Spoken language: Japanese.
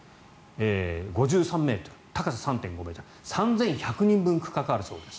５３ｍ、高さ３．５ｍ３１００人分区画があるそうです。